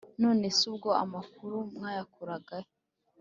none se ubwo amakuru mwayakuraga he?